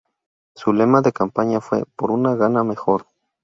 Su lema de campaña fue "Por una Ghana mejor".